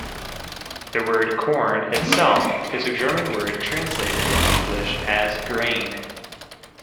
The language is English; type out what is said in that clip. The word "Korn" itself is a German word translated in English as "grain".